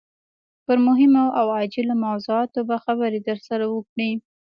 پر مهمو او عاجلو موضوعاتو به خبرې درسره وکړي.